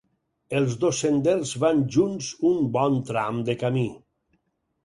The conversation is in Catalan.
Els dos senders van junts un bon tram de camí.